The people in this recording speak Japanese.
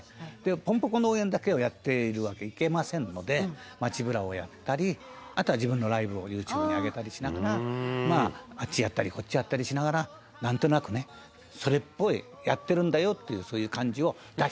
「ポンポコ農園だけをやっているわけいきませんので街ブラをやったりあとは自分のライブをユーチューブに上げたりしながらあっちやったりこっちやったりしながらなんとなくねそれっぽいやってるんだよっていうそういう感じを出してるわけです」